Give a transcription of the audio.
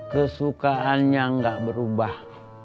kesukaannya gak berubah